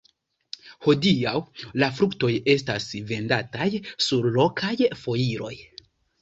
Hodiaŭ la fruktoj estas vendataj sur lokaj foiroj.